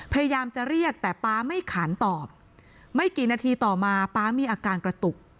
พยายามจะเรียกแต่ป๊าไม่ขานตอบไม่กี่นาทีต่อมาป๊ามีอาการกระตุก